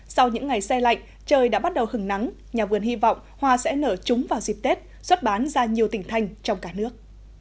sau những ngày xe lạnh trời đã bắt đầu hừng nắng nhà vườn hy vọng hoa sẽ nở trúng vào dịp tết xuất bán ra nhiều tỉnh thành trong cả nước